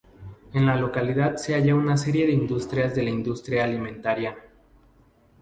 En la localidad se halla una serie de industrias de la industria alimentaria.